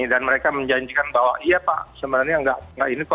dan mereka menjanjikan bahwa iya pak sebenarnya tidak ini kok